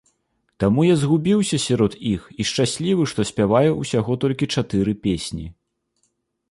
Таму я згубіўся сярод іх і шчаслівы, што спяваю ўсяго толькі чатыры песні.